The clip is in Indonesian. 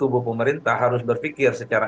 tubuh pemerintah harus berpikir secara